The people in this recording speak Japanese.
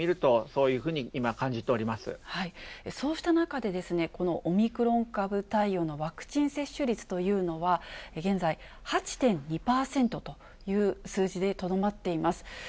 そうした中で、このオミクロン株対応のワクチン接種率というのは、現在８．２％という数字でとどまっています。